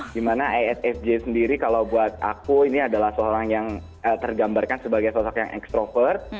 dimana affj sendiri kalau buat aku ini adalah seorang yang tergambarkan sebagai sosok yang extrovert